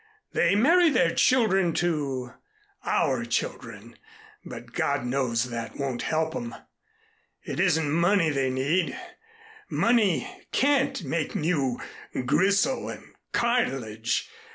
They marry their children to our children, but God knows that won't help 'em. It isn't money they need. Money can't make new gristle and cartilage.